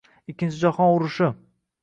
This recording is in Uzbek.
Ikkinchi jahon urushi